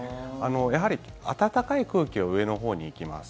やはり暖かい空気は上のほうに行きます。